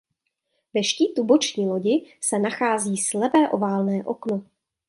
Ve štítu boční lodi se nachází slepé oválné okno.